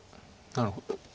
なるほど。